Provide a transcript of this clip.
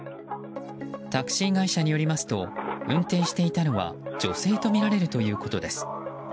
タクシー会社によりますと運転していたのは女性とみられるということです。